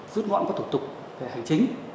rút ngoãn các thủ tục về hành chính